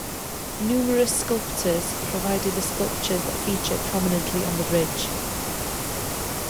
Numerous sculptors provided the sculptures that feature prominently on the bridge.